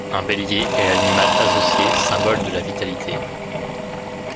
Un bélier est l'animal associé, symbole de la vitalité.